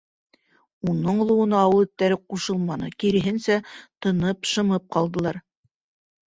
Уның олоуына ауыл эттәре ҡушылманы, киреһенсә, тынып, шымып ҡалдылар.